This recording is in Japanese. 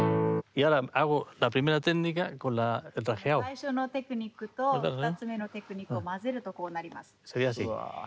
最初のテクニックと２つ目のテクニックを交ぜるとこうなります。